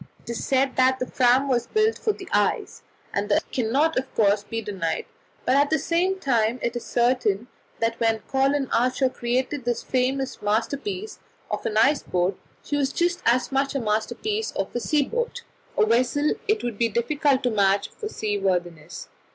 It is said that the Fram was built for the ice, and that cannot, of course, be denied; but at the same time it is certain that when Colin Archer created his famous masterpiece of an ice boat, she was just as much a masterpiece of a sea boat a vessel it would be difficult to match for seaworthiness.